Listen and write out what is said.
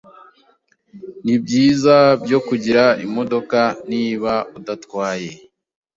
Nibyiza byo kugira imodoka niba udatwaye?